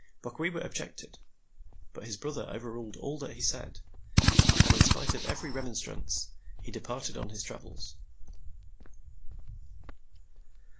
Bokwewa objected; but his brother overruled all that he said, and in spite of every remonstrance, he departed on his travels.